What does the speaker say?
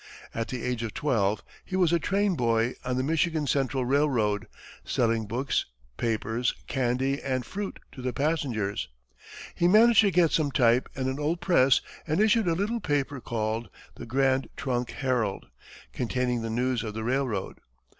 At the age of twelve, he was a train boy on the Michigan Central Railroad, selling books, papers, candy, and fruit to the passengers. He managed to get some type and an old press and issued a little paper called the "Grand Trunk Herald," containing the news of the railroad.